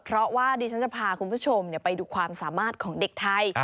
เพราะว่าดิฉันจะพาคุณผู้ชมไปดูความสามารถของเด็กไทย